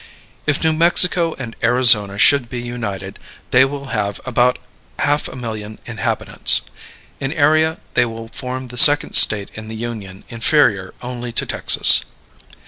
If New Mexico and Arizona should be united, they will have about half a million inhabitants. In area they will form the second State in the Union, inferior only to Texas.